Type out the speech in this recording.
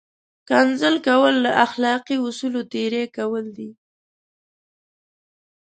کنځل کول له اخلاقي اصولو تېری کول دي!